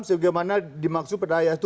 sebagai mana dimaksud pada ayat itu